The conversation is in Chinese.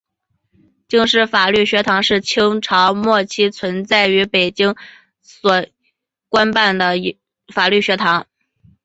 京师法律学堂是清朝末期存在于北京的一所官办法律学堂。